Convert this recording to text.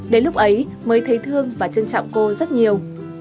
đến lúc ấy mới thấy thương và trân trọng cô rất nhiều